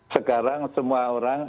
sekarang semua orang